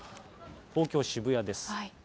東京・渋谷です。